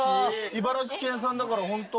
茨城県産だからホント。